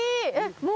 もう。